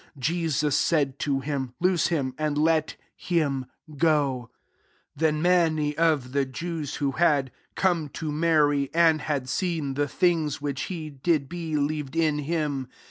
Jesus said to thein, Loose him, and let him go " 45 Then many of the Jews who had come to Mary, and had keeo the things which he did, befieved in him.